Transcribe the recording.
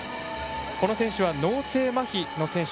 この選手は脳性まひの選手。